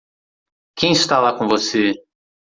Quem está lá com você?